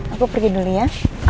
aku pergi dulu ya